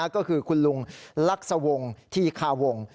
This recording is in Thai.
ก็คือคุณลุงรักษวงศ์ที่ขาวงศ์